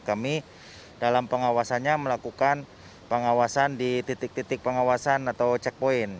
kami dalam pengawasannya melakukan pengawasan di titik titik pengawasan atau checkpoint